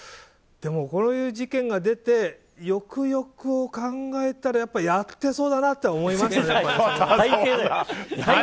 でも、こういう事件が出てよくよく考えたらやっぱりやってそうだなとは思いましたね。